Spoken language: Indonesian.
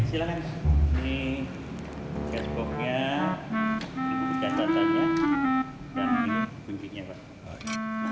ini cashboxnya ini bukaan bukaannya dan ini kuncinya pak